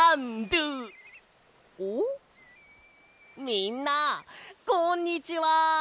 みんなこんにちは！